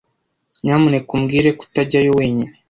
Nyamuneka umbwire ko utajyayo wenyine.